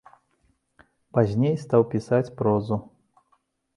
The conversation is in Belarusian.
Пазней стаў пісаць прозу.